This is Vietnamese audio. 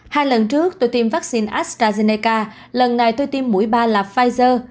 hai lần trước tôi tiêm vaccine astrazeneca lần này tôi tiêm mũi ba là pfizer